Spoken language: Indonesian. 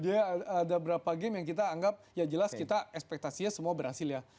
jadi ada beberapa game yang kita anggap ya jelas kita ekspektasinya semua berhasil ya